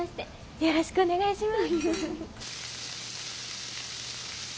よろしくお願いします。